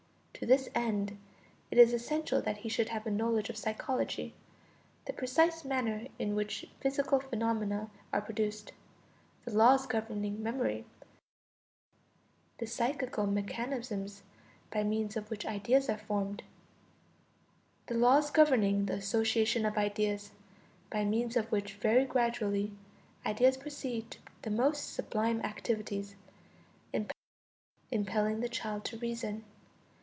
To this end, it is essential that he should have a knowledge of psychology, the precise manner in which physical phenomena are produced, the laws governing memory, the psychical mechanism by means of which ideas are formed, the laws governing the association of ideas, by means of which very gradually ideas proceed to the most sublime activities, impelling the child to reason.